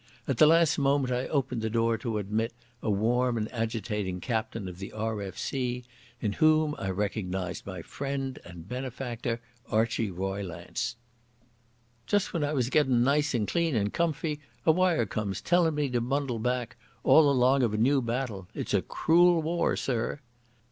At the last moment I opened the door to admit a warm and agitated captain of the R.F.C. in whom I recognised my friend and benefactor, Archie Roylance. "Just when I was gettin' nice and clean and comfy a wire comes tellin' me to bundle back, all along of a new battle. It's a cruel war, Sir."